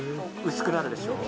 薄くなるでしょ。